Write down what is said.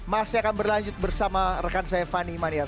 masih akan berlanjut bersama rekan saya fanny mania